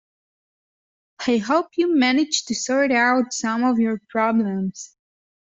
I hope you managed to sort out some of your problems.